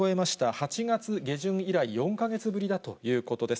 ８月下旬以来、４か月ぶりだということです。